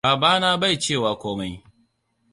Babana bai cewa komai.